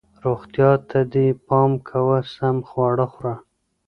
روغتیا ته دې پام کوه ، سم خواړه خوره